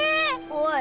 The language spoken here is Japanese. ・おい。